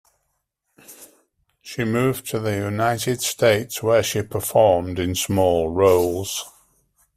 She moved to the United States, where she performed in small roles.